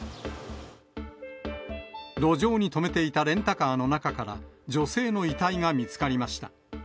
路上に止めていたレンタカーの中から、女性の遺体が見つかりました。